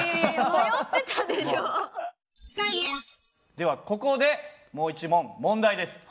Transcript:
ではここでもう一問問題です。